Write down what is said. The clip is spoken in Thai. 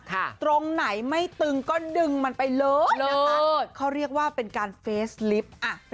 ตรงไหนไม่ตึงก็ดึงมันไปเลยนะคะเขาเรียกว่าเป็นการเฟสลิฟต์อ่ะ